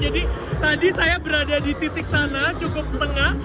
jadi tadi saya berada di titik sana cukup setengah